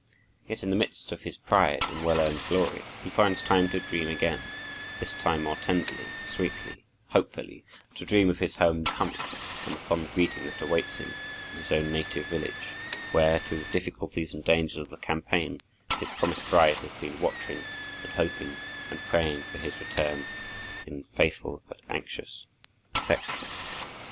Yet, in the midst of his pride and well earned glory, he finds time to dream again; this time more tenderly, sweetly, hopefully; to dream of his home coming, and the fond greeting that awaits him in his own native village, where, through the difficulties and dangers of the campaign, his promised bride has been watching, and hoping, and praying for his return in faithful but anxious affection.